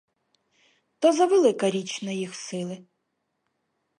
То завелика річ на їх сили.